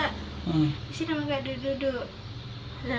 disini mau gak duduk duduk